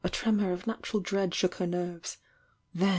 tremor of natural dread shook her nerves, then.